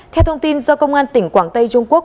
theo thông tin do công an tỉnh quảng tây trung quốc